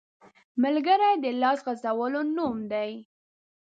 ملګری د لاس غځولو نوم دی